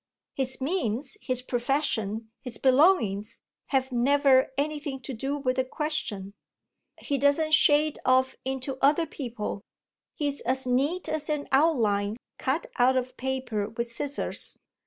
His means, his profession, his belongings have never anything to do with the question. He doesn't shade off into other people; he's as neat as an outline cut out of paper with scissors.